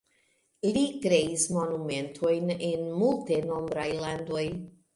Li kreis monumentojn en multenombraj landoj.